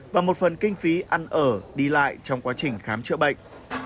và một phần kinh phí ăn ở đi lại trong quá trình khám chữa bệnh